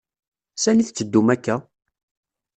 Sani tetteddum akk-a?